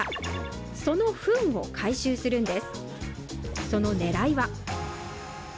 そのふんを回収するんです。